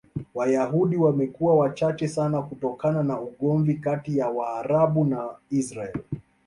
Wayahudi wamekuwa wachache sana kutokana na ugomvi kati ya Waarabu na Israel.